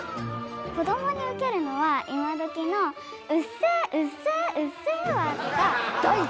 こどもにウケるのは今どきの「うっせぇうっせぇうっせぇわ」とか。